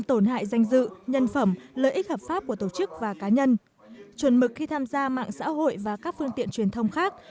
tổn hại danh dự nhân phẩm lợi ích hợp pháp của tổ chức và cá nhân chuẩn mực khi tham gia mạng xã hội và các phương tiện truyền thông khác